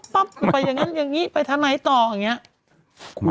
ไปอย่างนั้นอย่างนี้ไปทางไหนต่ออย่างนี้